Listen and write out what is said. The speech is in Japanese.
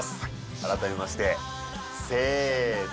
改めましてせの